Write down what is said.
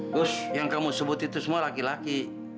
gus yang kamu sebut itu semua laki laki